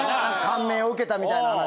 感銘を受けたみたいな話。